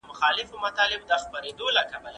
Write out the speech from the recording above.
د ستونزو منل د شعوري ژوند برخه ده.